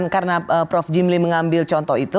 karena prof jimli mengambil contoh itu